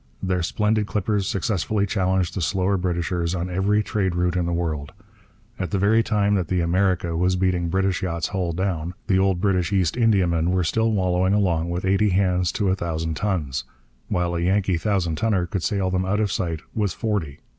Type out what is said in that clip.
Their splendid clippers successfully challenged the slower Britishers on every trade route in the world. At the very time that the America was beating British yachts hull down, the old British East Indiamen were still wallowing along with eighty hands to a thousand tons, while a Yankee thousand tonner could sail them out of sight with forty.